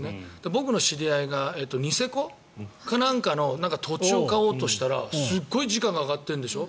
僕の知り合いがニセコかなんかの土地を買おうとしたらすっごい時価が上がってるんでしょ。